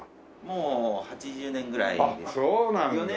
もう８０年ぐらいです。